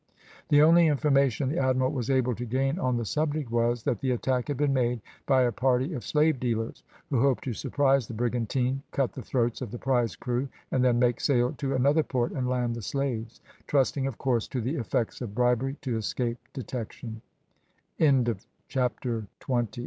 The only information the admiral was able to gain on the subject was, that the attack had been made by a party of slave dealers, who hoped to surprise the brigantine, cut the throats of the prize crew, and then make sail to another port, and land the slaves, trusting of course to the effects of bribery to escape detection. CHAPTER TWENTY ONE.